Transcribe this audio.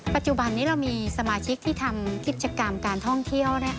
ปัจจุบันนี้เรามีสมาชิกที่ทำกิจกรรมการท่องเที่ยว